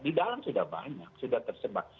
di dalam sudah banyak sudah tersebar